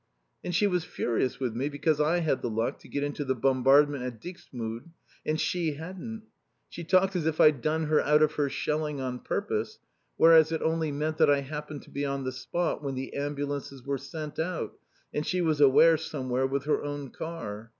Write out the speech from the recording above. And she was furious with me because I had the luck to get into the bombardment at Dixmude and she hadn't. She talked as if I'd done her out of her shelling on purpose, whereas it only meant that I happened to be on the spot when the ambulances were sent out and she was away somewhere with her own car.